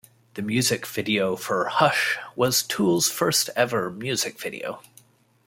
The music video for "Hush" was Tool's first ever music video.